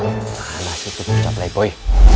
tuh malah itu bisa playboy